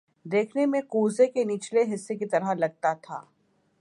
دیکھنے میں کوزے کے نچلے حصے کی طرح لگتا تھا